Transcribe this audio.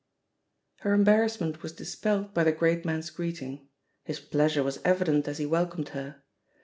Her embarrassment was dispelled by the great man's greeting; his pleasure was evident as he welcomed her.